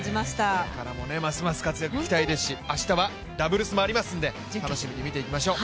これからもますます活躍期待ですし、明日はダブルスもありますので楽しみに見ていきましょう。